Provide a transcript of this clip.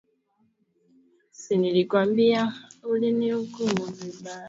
ugonjwa ambao maafisa wa kijeshi na afisa wa afya kutoka umoja huo wanajaribu kudhibiti